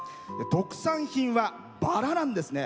特産品はバラなんですね。